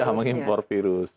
iya mengimpor virus